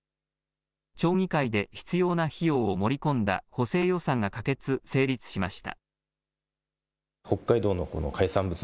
町議会で必要な費用を盛り込んだ補正予算が可決・成立しました。